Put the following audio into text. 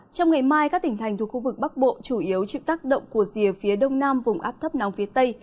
trong ngày mai các tỉnh thành thuộc khu vực bắc bộ chủ yếu chịu tác động của rìa phía đông nam vùng áp thấp nóng phía tây